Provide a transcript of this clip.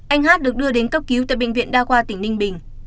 anh hát được đưa đến cấp cứu tại bệnh viện đa khoa tỉnh ninh bình